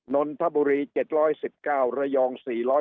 นนทบุรี๗๑๙ระยอง๔๕